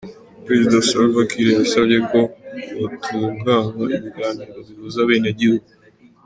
Prezida Salva Kiir yasavye ko hotunganywa ibiganiro bihuza abenegihugu.